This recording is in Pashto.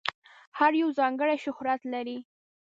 هر یو ځانګړی شهرت لري.